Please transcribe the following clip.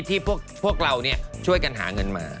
ที่พวกเราช่วยกันหาเงินมา